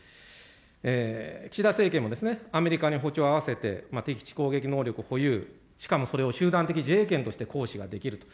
岸田政権もアメリカに歩調を合わせて敵基地攻撃能力保有、しかもそれを集団的自衛権として行使ができると。